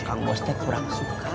kang bos teh kurang suka